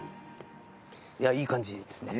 いい感じですね。